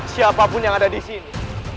siapapun yang ada disini